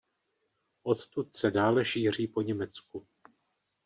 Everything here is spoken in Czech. Odtud se dále šíří po Německu.